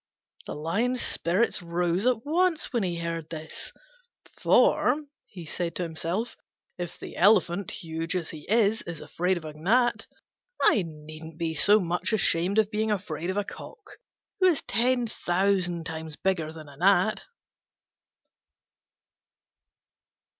The Lion's spirits rose at once when he heard this: "For," he said to himself, "if the Elephant, huge as he is, is afraid of a gnat, I needn't be so much ashamed of being afraid of a cock, who is ten thousand times bigger than a gnat."